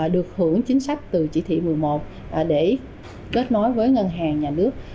được hưởng chính sách từ chỉ thị một mươi một để kết nối với ngân hàng nhà nước